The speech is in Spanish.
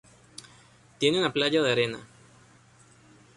Tiene una playa de arena.